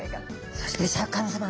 そしてシャーク香音さま